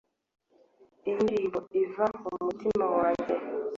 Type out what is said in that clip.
Iyi ndirimbo iva mu mutima wanjye